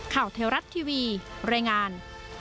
ข่าวเทวรัฐทีวีรายงาน